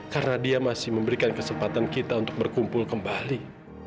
karena dia masih memberikan kesempatan kita untuk berkumpul kembali